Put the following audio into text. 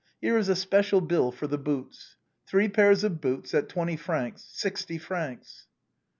" Here is a special bill for the boots. Three pairs of boots at twenty francs, sixty francs."